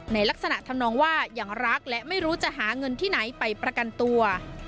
ในลักษณะทำนองว่ายังรักและไม่รู้จะหาเงินที่ไหนไปประกันตัว